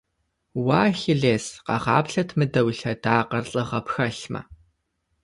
Уэ, Ахилес! Къэгъаплъэт мыдэ уи лъэдакъэр, лӏыгъэ пхэлъмэ!